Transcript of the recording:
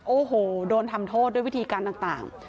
โอ้โหโดนทำโทษด้วยวิธีการต่าง